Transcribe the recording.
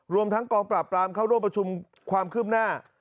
รวมทั้งกองปราบปรามเข้าร่วมประชุมความคืบหน้า